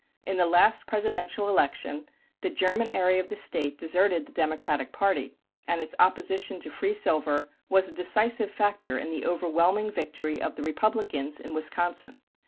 In the last presidential election, the German area of the State deserted the Democratic party, and its opposition to free silver was a decisive factor in the overwhelming victory of the Republicans in Wisconsin.